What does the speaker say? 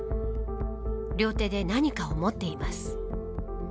両手で何かを持っています。